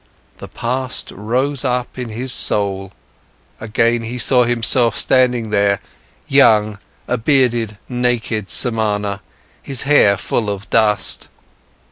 The past rose up in his soul, again he saw himself standing there, young, a bearded, naked Samana, the hair full of dust.